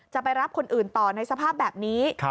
จะไปรับคนอื่นต่อในสภาพแบบนี้